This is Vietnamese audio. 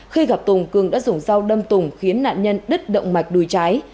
khi gặp tùng cường đã dùng dao đâm tùng khiến nạn nhân đứt động mạch đùi trái